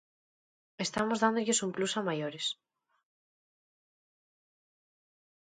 Estamos dándolles un plus a maiores.